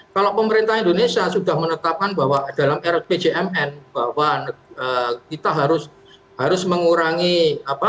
kalau pemerintah indonesia sudah menetapkan bahwa dalam rdpjmn bahwa kita harus mengurangi co dua